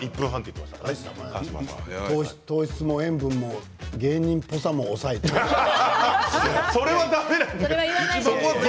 糖質も塩分も芸人っぽさも抑えているよね。